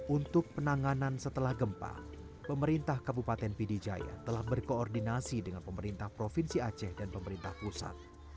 untuk penanganan setelah gempa pemerintah kabupaten pidijaya telah berkoordinasi dengan pemerintah provinsi aceh dan pemerintah pusat